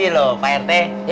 ini loh pak rt